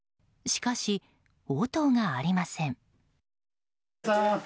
しかし、応答がありません。